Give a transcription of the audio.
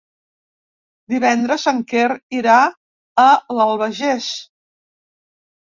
Divendres en Quer irà a l'Albagés.